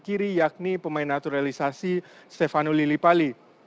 di sisi sisi kiri yakni pemain naturalisasi stefano lillipali